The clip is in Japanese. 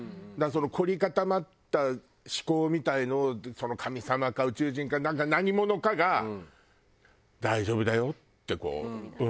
だからその凝り固まった思考みたいのをその神様か宇宙人かなんか何者かが「大丈夫だよ」ってこう。